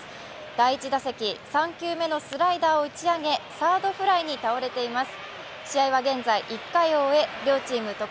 第１打席、３球目のスライダーを打ち上げサードフライに倒れています。